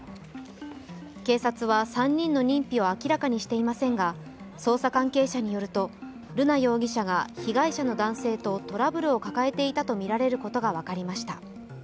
警察は３人の認否を明らかにしていませんが、捜査関係者によると瑠奈容疑者が被害者の男性とトラブルを抱えていたとみられることが分かりました。